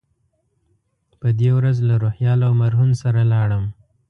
په دې ورځ له روهیال او مرهون سره لاړم.